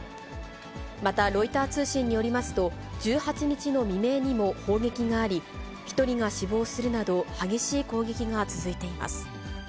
また、ロイター通信によりますと、１８にちのみめいにもだと砲撃があり、１人が死亡するなど、激しい攻撃が続いています。